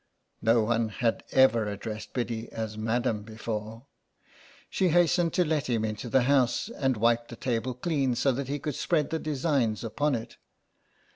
No one had ever addressed Biddy as Madam before. She hastened to let him into the house, and wiped the table clean so that he could spread the designs upon it.